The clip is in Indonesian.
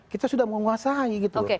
kita sudah menguasai gitu